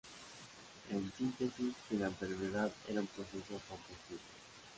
En síntesis que la enfermedad era un proceso comprensible".